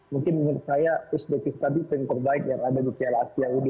mungkin menurut saya uzbekistan itu yang terbaik yang ada di siala asia u dua puluh tiga ini